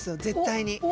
絶対に。